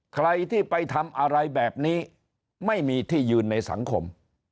ใครที่ไปทำอะไรแบบนี้ไม่มีที่ยืนในสังคม